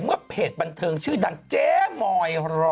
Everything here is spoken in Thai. เมื่อเพจบันเทิงชื่อดังแจมอย๑๐๘